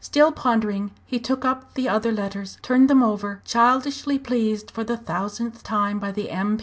Still pondering, he took up the other letters, turned them over childishly pleased for the thousandth time by the M.